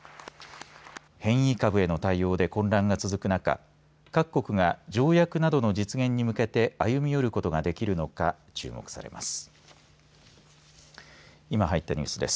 変異株への対応で混乱が続く中各国が条約などの実現に向けて歩み寄ることができるのか注目されます。